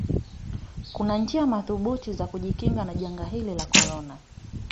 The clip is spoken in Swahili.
kunanjia madhubuti za kujikinga na janga hili la korona